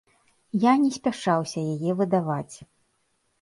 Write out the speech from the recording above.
Я не спяшаўся яе выдаваць.